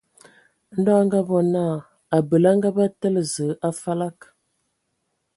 Ndɔ a ngabɔ naa, abəl a ngabə tǝ̀lə Zəə a falag.